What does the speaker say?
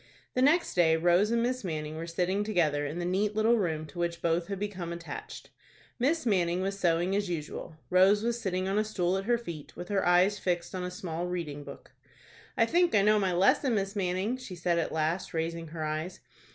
The next day Rose and Miss Manning were sitting together in the neat little room to which both had become attached. Miss Manning was sewing as usual. Rose was sitting on a stool at her feet, with her eyes fixed on a small reading book. "I think I know my lesson, Miss Manning," she said at last, raising her eyes.